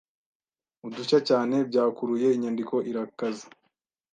udushya cyane Byakuruye inyandiko irakaze